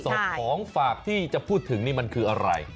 ของฝากที่จะพูดถึงนี่มันคืออะไร